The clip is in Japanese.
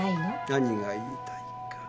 何が言いたいか。